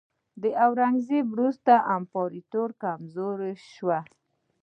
د اورنګزیب وروسته امپراتوري کمزورې شوه.